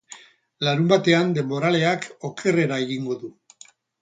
Larunbatean denboraleak okerrera egingo du.